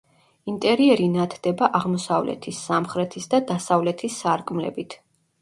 ინტერიერი ნათდება აღმოსავლეთის, სამხრეთის და დასავლეთის სარკმლებით.